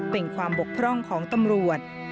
เป็นความบกพร่องของตำรวจ